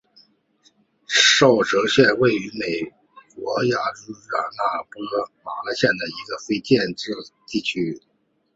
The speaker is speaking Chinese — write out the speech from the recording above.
沼泽是位于美国亚利桑那州皮马县的一个非建制地区。